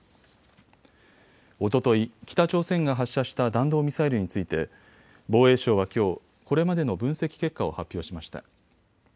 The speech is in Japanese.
おととい、北朝鮮が発射した弾道ミサイルについて防衛省はきょう、これまでの分析結果を発表しました。